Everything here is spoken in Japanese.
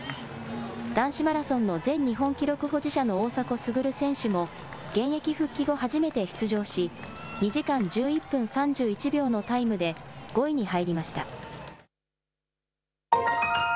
男子マラソンの前日本記録保持者の大迫傑選手も、現役復帰後、初めて出場し、２時間１１分３１秒のタイムで、５位に入りました。